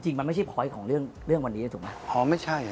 จริงมันไม่ใช่พอยท์ของเรื่องวันนี้ถูกไหม